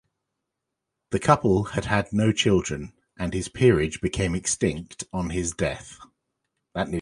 The couple had had no children, and his peerage became extinct on his death.